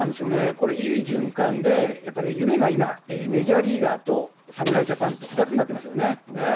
これ、いい循環で、やっぱり夢が今、メジャーリーガーと侍ジャパンと、２つになってますよね。